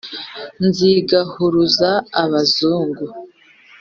zigahuruza abazungu,